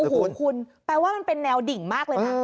โอ้โหคุณแปลว่ามันเป็นแนวดิ่งมากเลยนะ